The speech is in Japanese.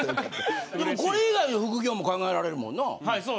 これ以外の副業も考えられるもんな。